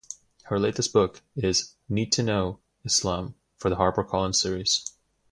Her latest book is 'Need to Know: Islam', for the HarperCollins series.